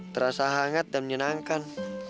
terasa hangat dan menyenangkan